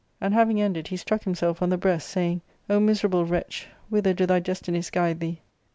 And having ended, he struck himself on the breast, saying, " O miserable wretch, whither do thy destinies guide thee